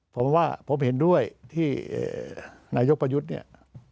ผมว่าผมเห็นด้วยที่นายกประยุทธ์เนี่ย